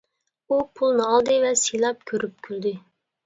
ئۇ پۇلنى ئالدى ۋە سىلاپ كۆرۈپ كۈلدى.